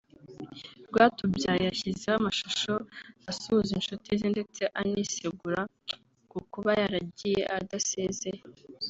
Rwatubyaye yashyizeho amashusho asuhuza inshuti ze ndetse anisegura ku kuba yaragiye adasezeye